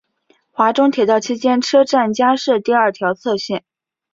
华中铁道期间车站加设第二条侧线。